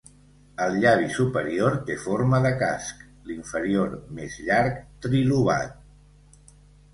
El llavi superior té forma de casc, l'inferior més llarg, trilobat.